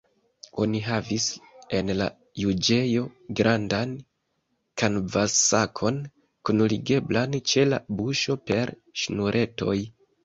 Oni havis en la juĝejo grandan kanvassakon, kunligeblan ĉe la buŝo per ŝnuretoj.